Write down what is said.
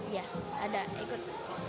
ya ada ikut